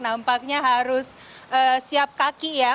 nampaknya harus siap kaki ya